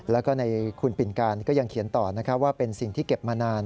แล้วก็ในคุณปิ่นการก็ยังเขียนต่อนะครับว่าเป็นสิ่งที่เก็บมานาน